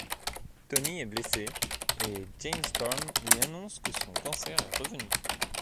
Tony est blessé et Jane Storm lui annonce que son cancer est revenu.